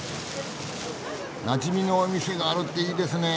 なじみのお店があるっていいですね。